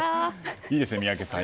いいですね、宮家さん。